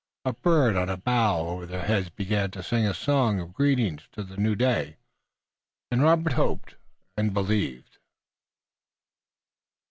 A bird on a bough over their heads began to sing a song of greeting to the new day, and Robert hoped and believed.